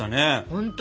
本当！